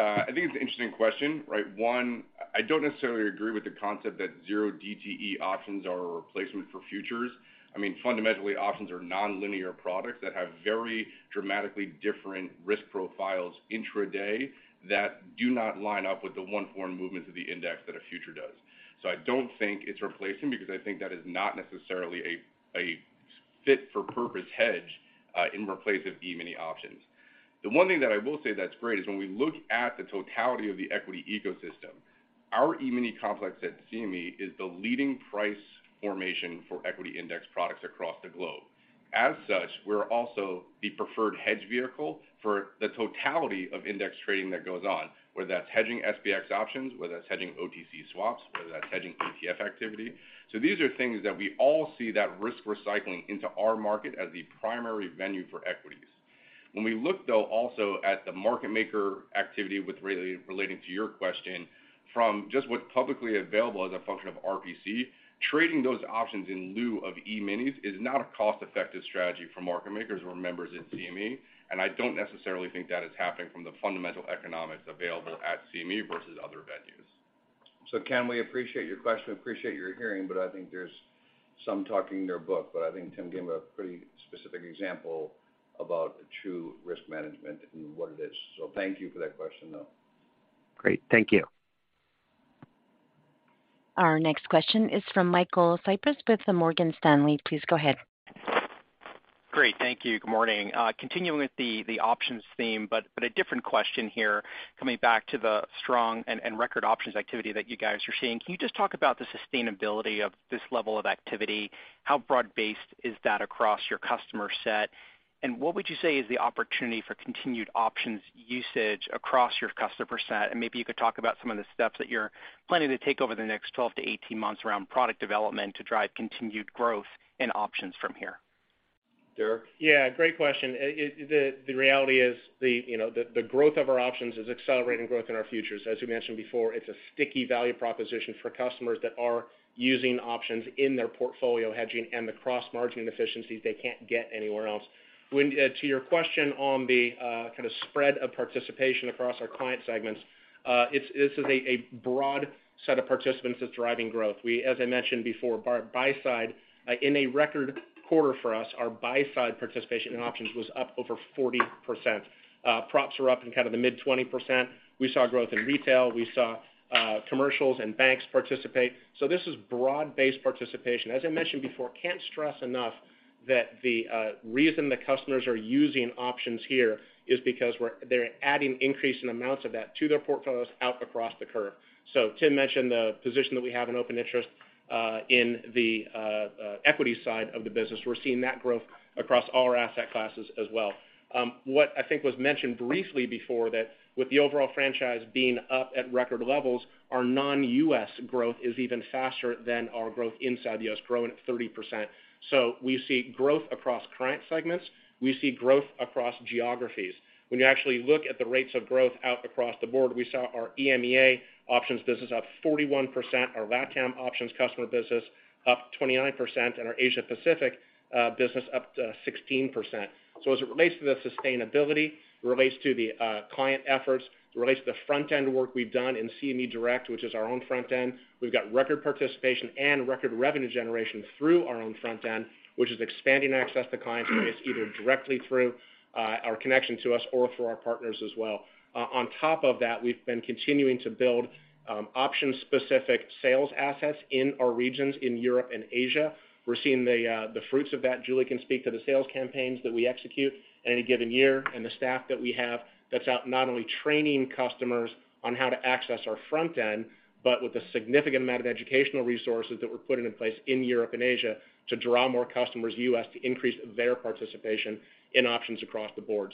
I think it's an interesting question, right? One, I don't necessarily agree with the concept that 0DTE options are a replacement for futures. I mean, fundamentally, options are nonlinear products that have very dramatically different risk profiles intraday that do not line up with the one foreign movements of the index that a future does. I don't think it's replacing because I think that is not necessarily a fit for purpose hedge in replace of E-mini options. The one thing that I will say that's great is when we look at the totality of the equity ecosystem, our E-mini complex at CME is the leading price formation for equity index products across the globe. As such, we're also the preferred hedge vehicle for the totality of index trading that goes on, whether that's hedging SPX options, whether that's hedging OTC swaps, whether that's hedging ETF activity. These are things that we all see that risk recycling into our market as the primary venue for equities. When we look, though, also at the market maker activity with relating to your question from just what's publicly available as a function of RPC, trading those options in lieu of E-minis is not a cost-effective strategy for market makers or members at CME, and I don't necessarily think that is happening from the fundamental economics available at CME versus other venues. Ken, we appreciate your question, appreciate your hearing, but I think there's some talking in your book. I think Tim gave a pretty specific example about true risk management and what it is. Thank you for that question, though. Great. Thank you. Our next question is from Michael Cyprys with Morgan Stanley. Please go ahead. Great. Thank you. Good morning. Continuing with the options theme, but a different question here, coming back to the strong and record options activity that you guys are seeing. Can you just talk about the sustainability of this level of activity? How broad-based is that across your customer set? What would you say is the opportunity for continued options usage across your customer set? Maybe you could talk about some of the steps that you're planning to take over the next 12 to 18 months around product development to drive continued growth in options from here. Derek Yeah, great question. The reality is, you know, the growth of our options is accelerating growth in our futures. As we mentioned before, it's a sticky value proposition for customers that are using options in their portfolio hedging and the cross-margin efficiencies they can't get anywhere else. To your question on the kind of spread of participation across our client segments, this is a broad set of participants that's driving growth. As I mentioned before, buy side, in a record quarter for us, our buy-side participation in options was up over 40%. Props are up in kind of the mid-20%. We saw growth in retail, we saw commercials and banks participate. This is broad-based participation. As I mentioned before, can't stress enough that the reason that customers are using options here is because they're adding increasing amounts of that to their portfolios out across the curve. Tim mentioned the position that we have in open interest in the equity side of the business. We're seeing that growth across all our asset classes as well. What I think was mentioned briefly before that with the overall franchise being up at record levels, our non-U.S. growth is even faster than our growth inside the U.S., growing at 30%. We see growth across client segments, we see growth across geographies. When you actually look at the rates of growth out across the board, we saw our EMEA options business up 41%, our LatAm options customer business up 29%, and our Asia Pacific business up to 16%. As it relates to the sustainability, relates to the client efforts, relates to the front-end work we've done in CME Direct, which is our own front end, we've got record participation and record revenue generation through our own front end, which is expanding access to clients, whether it's either directly through our connection to us or through our partners as well. On top of that, we've been continuing to build option-specific sales assets in our regions in Europe and Asia. We're seeing the fruits of that. Julie can speak to the sales campaigns that we execute in any given year, and the staff that we have that's out, not only training customers on how to access our front end, but with a significant amount of educational resources that we're putting in place in Europe and Asia to draw more customers U.S. to increase their participation in options across the board.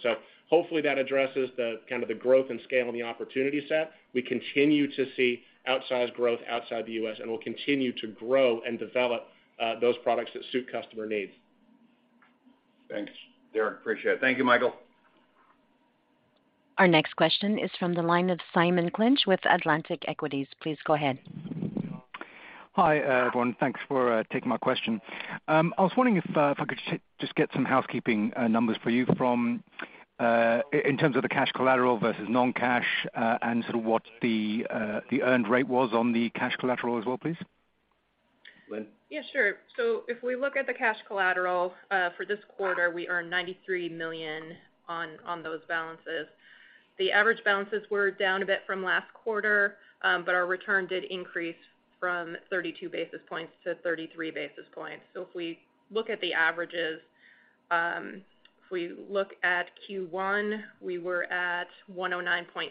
Hopefully, that addresses the kind of the growth and scale and the opportunity set. We continue to see outsized growth outside the U.S., and we'll continue to grow and develop, those products that suit customer needs. Thanks, Derek. Appreciate it. Thank you, Michael. Our next question is from the line of Simon Clinch with Atlantic Equities. Please go ahead. Hi, everyone. Thanks for taking my question. I was wondering if I could just get some housekeeping numbers for you from in terms of the cash collateral versus non-cash, and sort of what the earned rate was on the cash collateral as well, please. Lynne? Yeah, sure. If we look at the cash collateral for this quarter, we earned $93 million on those balances. The average balances were down a bit from last quarter, our return did increase from 32 basis points to 33 basis points. If we look at the averages, if we look at Q1, we were at $109.6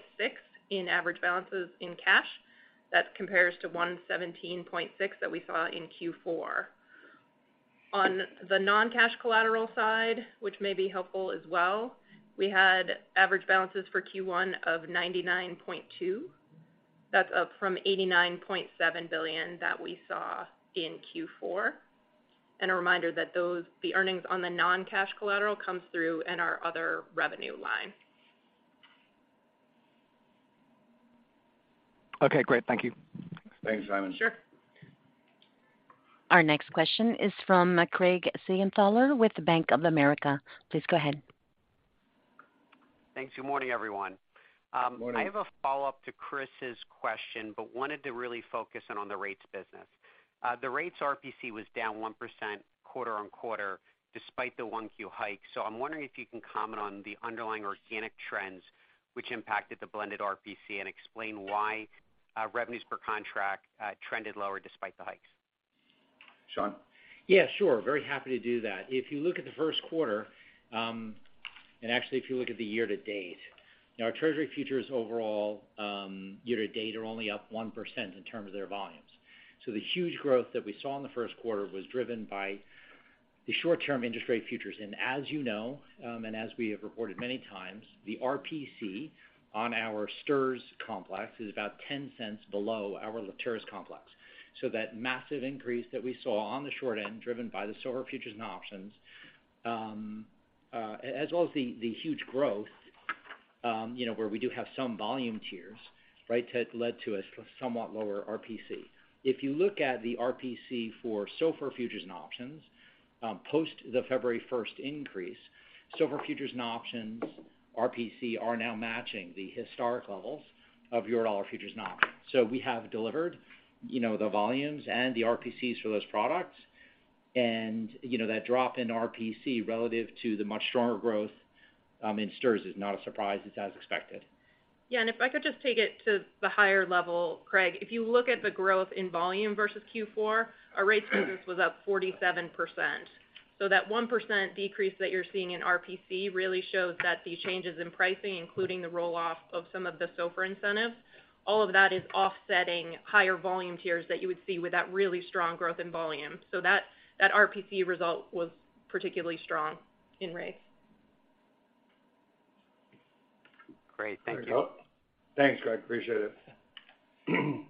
in average balances in cash. That compares to $117.6 that we saw in Q4. On the non-cash collateral side, which may be helpful as well, we had average balances for Q1 of $99.2. That's up from $89.7 billion that we saw in Q4. A reminder that the earnings on the non-cash collateral comes through in our other revenue line. Okay, great. Thank you. Thanks, Simon. Sure. Our next question is from Craig Siegenthaler with Bank of America. Please go ahead. Thanks. Good morning, everyone. Good morning. I have a follow-up to Chris's question, wanted to really focus in on the rates business. The rates RPC was down 1% quarter-on-quarter despite the 1Q hike. I'm wondering if you can comment on the underlying organic trends which impacted the blended RPC and explain why revenues per contract trended lower despite the hikes. Sean? Yeah, sure. Very happy to do that. If you look at the first quarter, and actually if you look at the year to date, you know, our Treasury futures overall, year to date are only up 1% in terms of their volumes. The huge growth that we saw in the first quarter was driven by the short-term interest rate futures. As you know, and as we have reported many times, the RPC on our STIRS complex is about $0.10 below our SOFR complex. That massive increase that we saw on the short end driven by the SOFR futures and options, as well as the huge growth, you know, where we do have some volume tiers, right, has led to a somewhat lower RPC. If you look at the RPC for SOFR futures and options, post the February 1st increase, SOFR futures and options RPC are now matching the historic levels of Eurodollar futures and options. We have delivered, you know, the volumes and the RPCs for those products. You know, that drop in RPC relative to the much stronger growth in STIRS is not a surprise. It's as expected. If I could just take it to the higher level, Craig. If you look at the growth in volume versus Q4, our rates business was up 47%. That 1% decrease that you're seeing in RPC really shows that the changes in pricing, including the roll-off of some of the SOFR incentives, all of that is offsetting higher volume tiers that you would see with that really strong growth in volume. That RPC result was particularly strong in rates. Great. Thank you. There we go. Thanks, Craig. Appreciate it.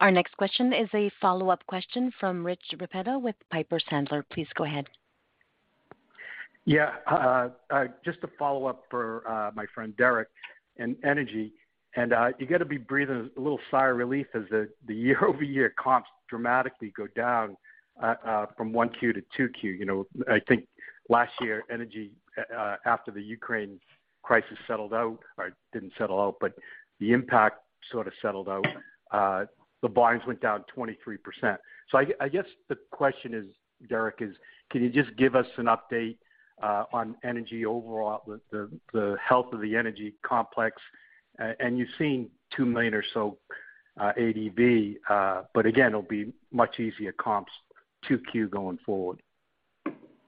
Our next question is a follow-up question from Rich Repetto with Piper Sandler. Please go ahead. Yeah, just a follow-up for my friend Derek in energy, and you got to be breathing a little sigh of relief as the year-over-year comps dramatically go down from 1Q to 2Q. You know, I think last year, energy, after the Ukraine crisis settled out or didn't settle out, but the impact sort of settled out, the volumes went down 23%. I guess the question is, Derek, is can you just give us an update on energy overall, the health of the energy complex? You've seen 2 million or so ADV, but again, it'll be much easier comps 2Q going forward.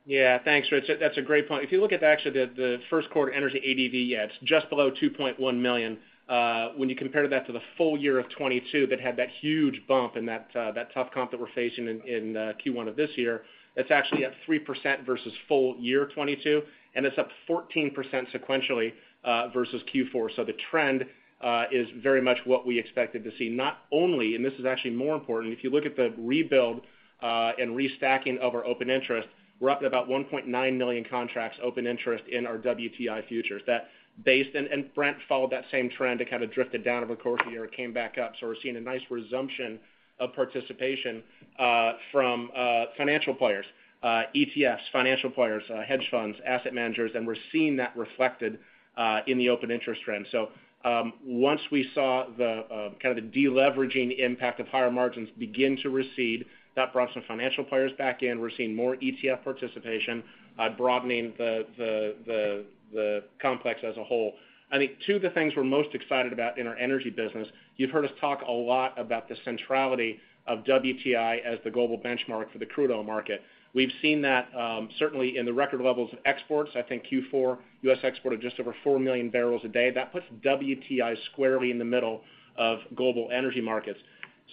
Thanks, Rich. That's a great point. If you look at actually the first quarter energy ADV, it's just below 2.1 million. When you compare that to the full year of 2022 that had that huge bump and that tough comp that we're facing in Q1 of this year, that's actually up 3% versus full year 2022, it's up 14% sequentially versus Q4. The trend is very much what we expected to see. Not only, and this is actually more important, if you look at the rebuild and restacking of our open interest, we're up at about 1.9 million contracts open interest in our WTI futures. Brent followed that same trend. It kind of drifted down over the course of the year. It came back up. We're seeing a nice resumption of participation from financial players, ETFs, hedge funds, asset managers, and we're seeing that reflected in the open interest trend. Once we saw the kind of the de-leveraging impact of higher margins begin to recede, that brought some financial players back in. We're seeing more ETF participation, broadening the complex as a whole. I think two of the things we're most excited about in our energy business, you've heard us talk a lot about the centrality of WTI as the global benchmark for the crude oil market. We've seen that certainly in the record levels of exports. I think Q4, U.S. exported just over 4 million barrels a day. That puts WTI squarely in the middle of global energy markets.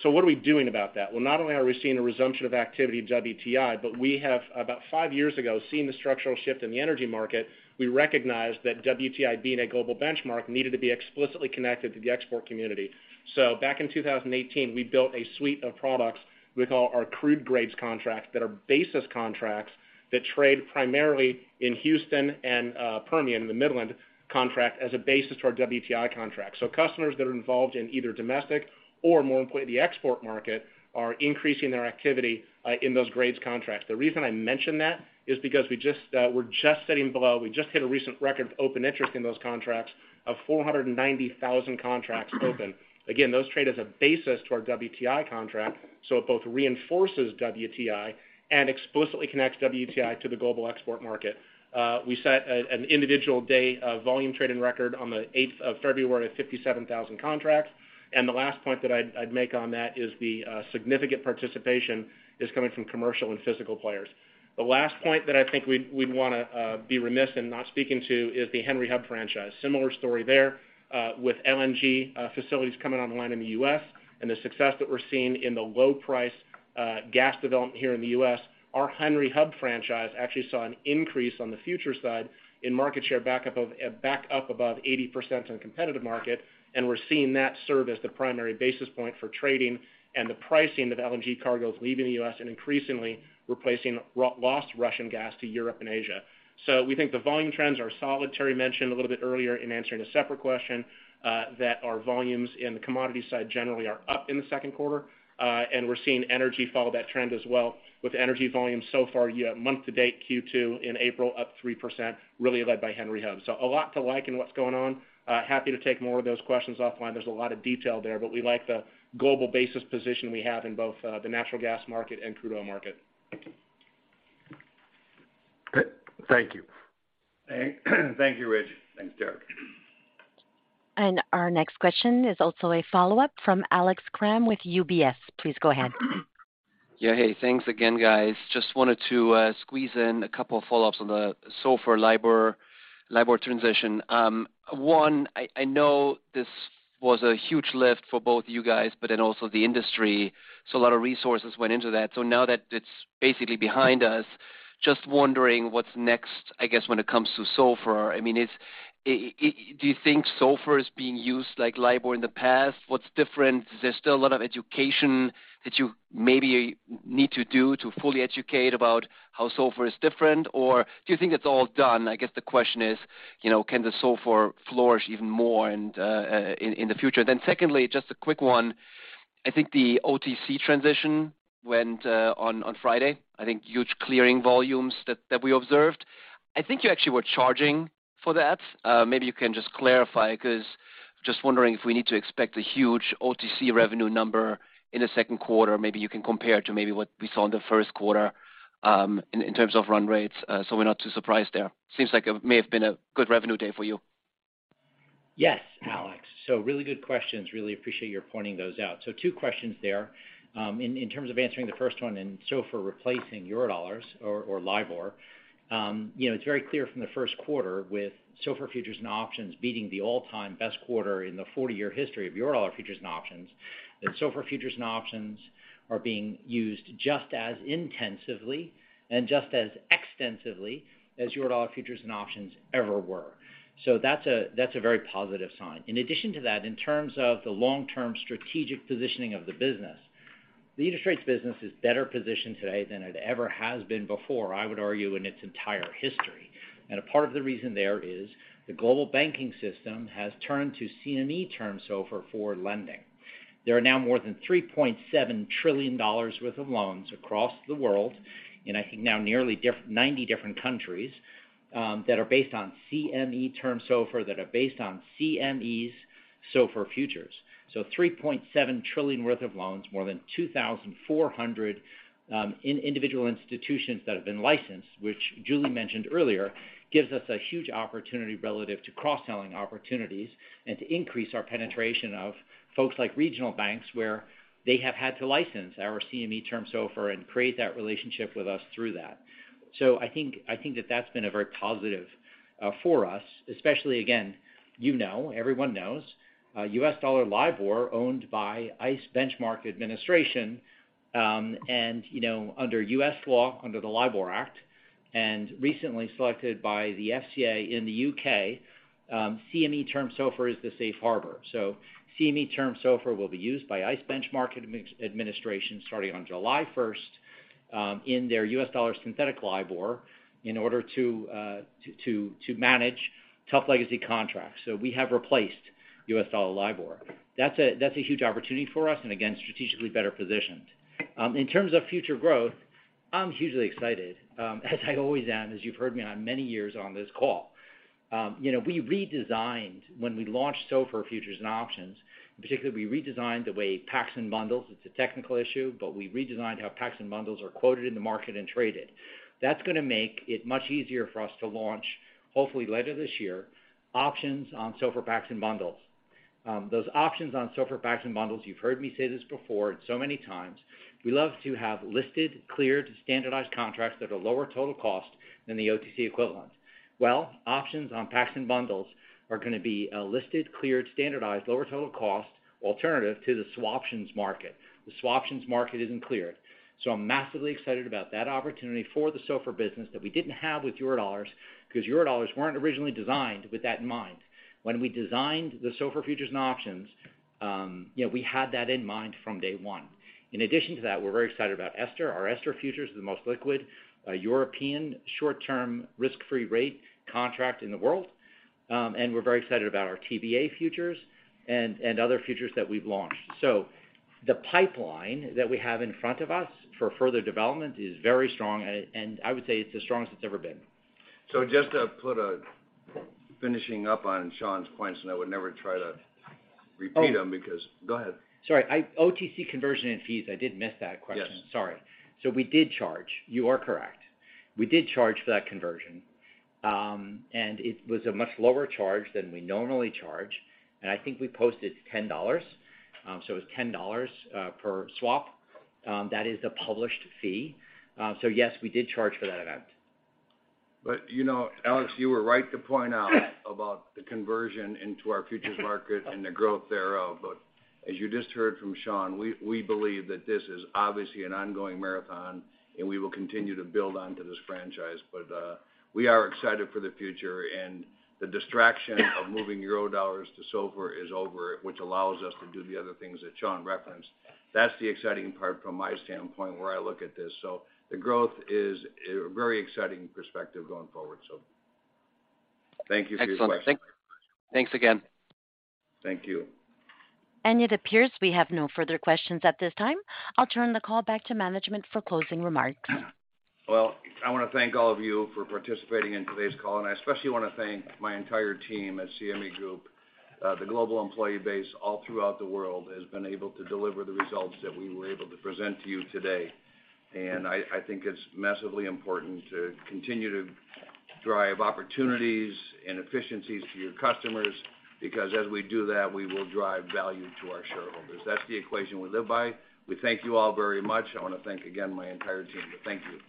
What are we doing about that? Not only are we seeing a resumption of activity in WTI, but we have, about 5 years ago, seen the structural shift in the energy market. We recognized that WTI, being a global benchmark, needed to be explicitly connected to the export community. Back in 2018, we built a suite of products we call our crude grades contracts that are basis contracts that trade primarily in Houston and Permian, the Midland contract, as a basis to our WTI contract. Customers that are involved in either domestic or, more importantly, the export market, are increasing their activity in those grades contracts. The reason I mention that is because we just hit a recent record of open interest in those contracts of 490,000 contracts open. Those trade as a basis to our WTI contract. It both reinforces WTI and explicitly connects WTI to the global export market. We set an individual day of volume trading record on the 8th of February at 57,000 contracts. The last point that I'd make on that is the significant participation is coming from commercial and physical players. The last point that I think we'd wanna be remiss in not speaking to is the Henry Hub franchise. Similar story there with LNG facilities coming online in the U.S. and the success that we're seeing in the low price gas development here in the U.S. Our Henry Hub franchise actually saw an increase on the future side in market share back up above 80% in a competitive market, and we're seeing that serve as the primary basis point for trading and the pricing of LNG cargoes leaving the U.S. and increasingly replacing lost Russian gas to Europe and Asia. We think the volume trends are solid. Terry mentioned a little bit earlier in answering a separate question that our volumes in the commodity side generally are up in the second quarter, and we're seeing energy follow that trend as well. With energy volume so far year, month-to-date Q2 in April up 3%, really led by Henry Hub. A lot to like in what's going on. Happy to take more of those questions offline. There's a lot of detail there, but we like the global basis position we have in both the natural gas market and crude oil market. thank you. Thank you, Rich. Thanks, Derek. Our next question is also a follow-up from Alex Kramm with UBS. Please go ahead. Yeah. Hey, thanks again, guys. Just wanted to squeeze in a couple of follow-ups on the SOFR-LIBOR, LIBOR transition. One, I know this was a huge lift for both you guys, but then also the industry, so a lot of resources went into that. Now that it's basically behind us, just wondering what's next, I guess, when it comes to SOFR. I mean, do you think SOFR is being used like LIBOR in the past? What's different? Is there still a lot of education that you maybe need to do to fully educate about how SOFR is different? Or do you think it's all done? I guess the question is, you know, can the SOFR flourish even more in the future? Secondly, just a quick one. I think the OTC transition went on Friday. I think huge clearing volumes that we observed. I think you actually were charging for that. Maybe you can just clarify, 'cause just wondering if we need to expect a huge OTC revenue number in the second quarter. Maybe you can compare to maybe what we saw in the first quarter in terms of run rates, so we're not too surprised there. Seems like it may have been a good revenue day for you. Yes, Alex. Really good questions. Really appreciate your pointing those out. Two questions there. In terms of answering the first one in SOFR replacing Eurodollars or LIBOR, you know, it's very clear from the first quarter with SOFR futures and options beating the all-time best quarter in the 40-year history of Eurodollar futures and options, that SOFR futures and options are being used just as intensively and just as extensively as Eurodollar futures and options ever were. That's a very positive sign. In addition to that, in terms of the long-term strategic positioning of the business, the interest rates business is better positioned today than it ever has been before, I would argue, in its entire history. A part of the reason there is the global banking system has turned to CME Term SOFR for lending. There are now more than $3.7 trillion worth of loans across the world in, I think now nearly 90 different countries, that are based on CME Term SOFR, that are based on CME's SOFR futures. $3.7 trillion worth of loans, more than 2,400 individual institutions that have been licensed, which Julie mentioned earlier, gives us a huge opportunity relative to cross-selling opportunities and to increase our penetration of folks like regional banks, where they have had to license our CME Term SOFR and create that relationship with us through that. I think that that's been a very positive for us, especially again, you know, everyone knows, U.S. dollar LIBOR owned by ICE Benchmark Administration, and, you know, under U.S. law, under the LIBOR Act, and recently selected by the FCA in the U.K., CME Term SOFR is the safe harbor. CME Term SOFR will be used by ICE Benchmark Administration starting on July first, in their U.S. dollar synthetic LIBOR in order to manage tough legacy contracts. We have replaced U.S. dollar LIBOR. That's a huge opportunity for us, and again, strategically better positioned. In terms of future growth, I'm hugely excited, as I always am, as you've heard me on many years on this call. You know, we redesigned when we launched SOFR Futures and Options, in particular, we redesigned the way packs and bundles, it's a technical issue, but we redesigned how packs and bundles are quoted in the market and traded. That's gonna make it much easier for us to launch, hopefully later this year, options on SOFR packs and bundles. Those options on SOFR packs and bundles, you've heard me say this before so many times, we love to have listed, cleared, standardized contracts that are lower total cost than the OTC equivalent. Well, options on packs and bundles are gonna be a listed, cleared, standardized, lower total cost alternative to the swaptions market. The swaptions market isn't cleared. I'm massively excited about that opportunity for the SOFR business that we didn't have with Eurodollars, 'cause Eurodollars weren't originally designed with that in mind. When we designed the SOFR futures and options, you know, we had that in mind from day one. In addition to that, we're very excited about €STR. Our €STR futures is the most liquid European short-term risk-free rate contract in the world. We're very excited about our TBA futures and other futures that we've launched. The pipeline that we have in front of us for further development is very strong and I would say it's the strongest it's ever been. Just to put a finishing up on Sean's points, and I would never try to repeat them because. Oh. Go ahead. Sorry. OTC conversion and fees, I did miss that question. Yes. Sorry. We did charge. You are correct. We did charge for that conversion. It was a much lower charge than we normally charge, and I think we posted $10. It was $10 per swap. That is the published fee. Yes, we did charge for that event. You know, Alex, you were right to point out about the conversion into our futures market and the growth thereof. As you just heard from Sean, we believe that this is obviously an ongoing marathon, and we will continue to build onto this franchise. We are excited for the future and the distraction of moving Eurodollar to SOFR is over, which allows us to do the other things that Sean referenced. That's the exciting part from my standpoint, where I look at this. The growth is a very exciting perspective going forward. Thank you for your question. Excellent. Thanks again. Thank you. It appears we have no further questions at this time. I'll turn the call back to management for closing remarks. Well, I wanna thank all of you for participating in today's call, and I especially wanna thank my entire team at CME Group. The global employee base all throughout the world has been able to deliver the results that we were able to present to you today. I think it's massively important to continue to drive opportunities and efficiencies to your customers, because as we do that, we will drive value to our shareholders. That's the equation we live by. We thank you all very much. I wanna thank again my entire team. Thank you.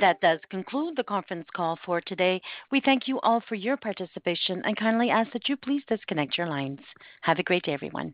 That does conclude the conference call for today. We thank you all for your participation and kindly ask that you please disconnect your lines. Have a great day, everyone.